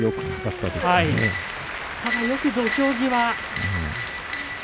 ただ、よく土俵際。